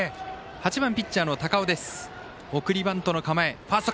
８番、ピッチャーの高尾。